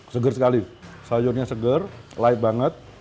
segar sekali sayurnya segar light banget